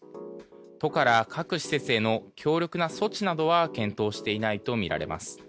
都から各施設への強力な措置などは検討していないとみられます。